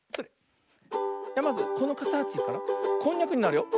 まずこのかたちからこんにゃくになるよ。